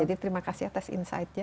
jadi terima kasih atas insight nya